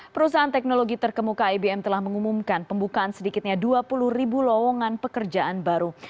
perusahaan teknologi terkemuka ibm telah mengumumkan pembukaan sedikitnya dua puluh ribu lowongan pekerjaan baru